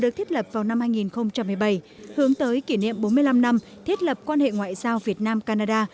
được thiết lập vào năm hai nghìn một mươi bảy hướng tới kỷ niệm bốn mươi năm năm thiết lập quan hệ ngoại giao việt nam canada